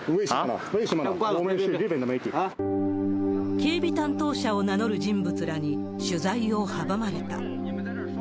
警備担当者を名乗る人物らに取材を阻まれた。